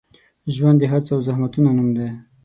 ژوند د هڅو او زحمتونو نوم دی.